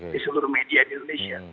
di seluruh media juga